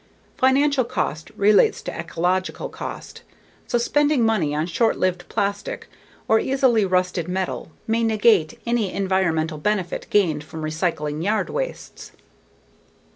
Financial cost relates to ecological cost, so spending money on short lived plastic or easily rusted metal may negate any environmental benefit gained from recycling yard wastes.